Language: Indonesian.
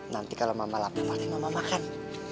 nanti kalau mama lapar pake mama makan